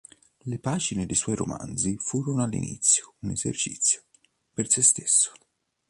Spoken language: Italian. Le pagine dei suoi romanzi furono all'inizio un esercizio per sé stesso.